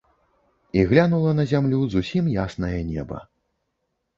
І глянула на зямлю зусім яснае неба.